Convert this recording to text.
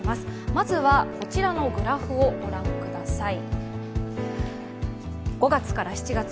まずはこちらのグラフをご覧ください。